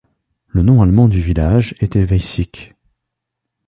Le nom allemand du village était Weissig.